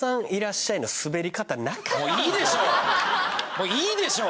もういいでしょう